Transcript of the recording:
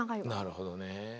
なるほどね。